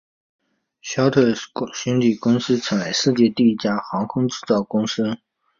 肖特兄弟公司成为了世界上第一家航空制造公司。